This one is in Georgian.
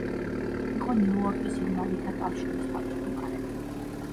იყო ნიუ-იორკის ინვალიდთა კავშირის თავმჯდომარე.